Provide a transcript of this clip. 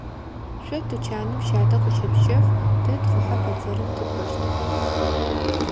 Шъо тучаным щатэ къыщышъущэф, тэ тхъухьэ бэдзэрым тыкӏощт.